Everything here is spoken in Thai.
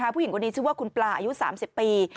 ผู้หญิงคนนี้ชื่อว่าคุณปลาอายุ๓๐ปี